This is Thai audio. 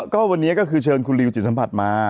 ก็วันนี้ก็คือเชิญคุณลิวจิตสัมผัสมา